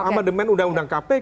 amandemen undang undang kasus